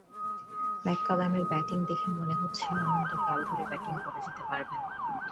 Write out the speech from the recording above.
ম্যাককালামের batting দেখে মনে হচ্ছে অনন্তকাল ধরে ব্যাট করে যেতে পারবেন।